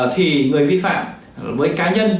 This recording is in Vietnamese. thì người vi phạm với cá nhân